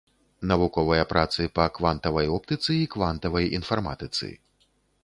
Навуковыя працы па квантавай оптыцы і квантавай інфарматыцы.